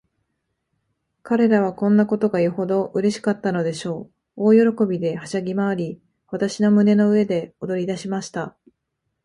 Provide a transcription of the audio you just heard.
彼等はこんなことがよほどうれしかったのでしょう。大喜びで、はしゃぎまわり、私の胸の上で踊りだしました。